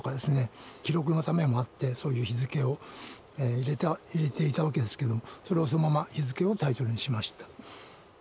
記録のためもあってそういう日付を入れていたわけですけどそれをそのまま日付をタイトルにしました。